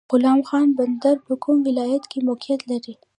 غلام خان بندر په کوم ولایت کې موقعیت لري؟